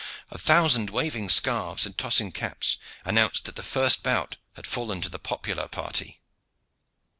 A thousand waving scarves and tossing caps announced that the first bout had fallen to the popular party.